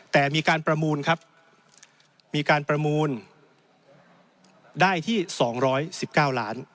แต่มีการประมูลครับมีการประมูลได้ที่สองร้อยสิบเก้าล้าน